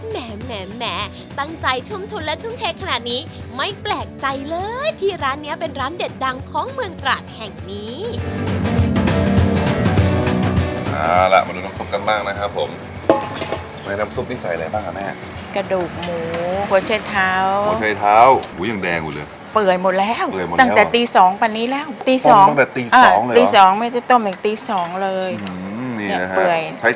แหมตั้งใจทุ่มทุนและทุ่มเทขนาดนี้ไม่แปลกใจเลยที่ร้านนี้เป็นร้านเด็ดดังของเมืองตราดแห่งนี้